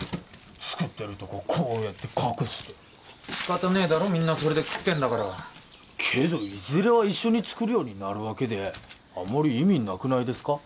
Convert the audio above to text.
作ってるとここうやって隠して仕方ねえだろみんなそれで食ってんだからけどいずれは一緒に作るようになるわけでえあまり意味なくないですか？